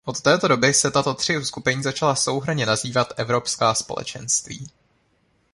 Od té doby se tato tři uskupení začala souhrnně nazývat Evropská společenství.